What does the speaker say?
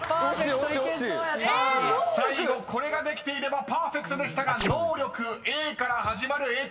［最後これができていればパーフェクトでしたが能力Ａから始まる英単語］